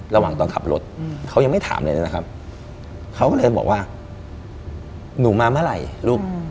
ระหว่างตอนขับรถเขายังไม่ถามเลยนะครับเขาก็เลยบอกว่าหนูมาเมื่อไหร่ลูก